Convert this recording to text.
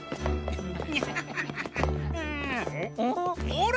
あれ？